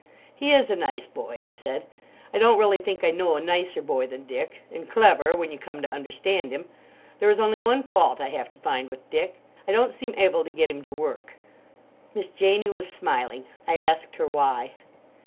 "He is a nice boy," I said. "I don't really think I know a nicer boy than Dick; and clever, when you come to understand him. There is only one fault I have to find with Dick: I don't seem able to get him to work." Miss Janie was smiling. I asked her why.